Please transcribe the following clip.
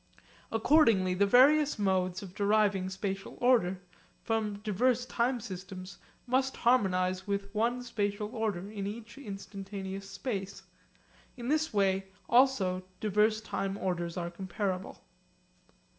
Accordingly the various modes of deriving spatial order from diverse time systems must harmonise with one spatial order in each instantaneous space. In this way also diverse time orders are comparable.